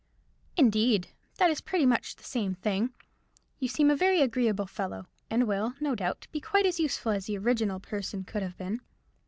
"Indeed! That is pretty much the same thing. You seem a very agreeable fellow, and will, no doubt, be quite as useful as the original person could have been.